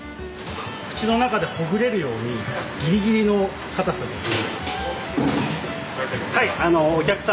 口の中でほぐれるようにギリギリのかたさで握ってます。